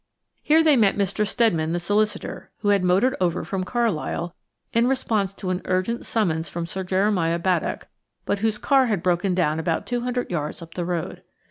Here they met Mr. Steadman, the solicitor, who had motored over from Carlisle in response to an urgent summons from Sir Jeremiah Baddock, but whose car had broken down about two hundred yards up the road.